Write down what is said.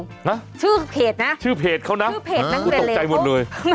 นะชื่อเพจนะชื่อเพจนักเรียนเหลวตกใจหมดเลย